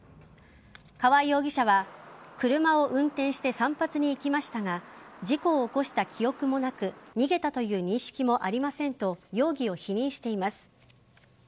川合容疑者は車を運転して散髪に行きましたが事故を起こした記憶もなく逃げたという認識もありませんと容疑を否認しています。